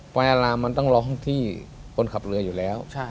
ไฟอารามมันต้องร้องที่คนขับเรืออยู่แล้ว